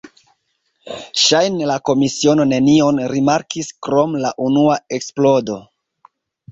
Ŝajne la komisiono nenion rimarkis, krom la unua eksplodo.